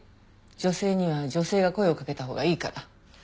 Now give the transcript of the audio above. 女性には女性が声をかけたほうがいいから。